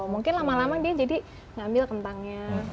mungkin lama lama dia jadi ngambil kentangnya